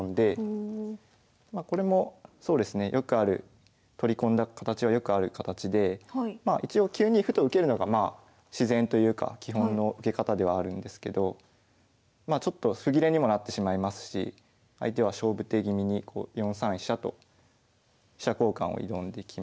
まあこれもそうですねよくある取り込んだ形はよくある形で一応９二歩と受けるのがまあ自然というか基本の受け方ではあるんですけどまあちょっと歩切れにもなってしまいますし相手は勝負手気味に４三飛車と飛車交換を挑んできまして。